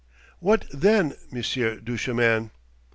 "What then, Monsieur Duchemin?"